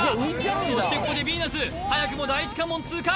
そしてここでヴィーナス早くも第一関門通過